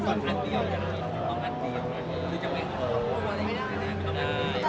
สมัยพี่ชมพูไม่ได้